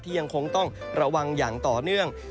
ยังคงต้องระวังอย่างต่อเนื่อง